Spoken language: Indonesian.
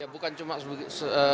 bukan cuma sebuah